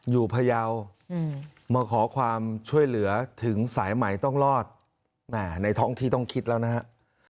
พยาวมาขอความช่วยเหลือถึงสายใหม่ต้องรอดในท้องที่ต้องคิดแล้วนะฮะ